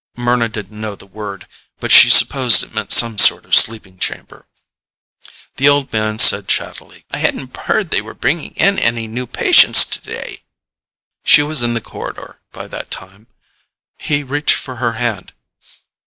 Mryna didn't know the word, but she supposed it meant some sort of sleeping chamber. The old man said chattily, "I hadn't heard they were bringing in any new patients today." She was in the corridor by that time. He reached for her hand.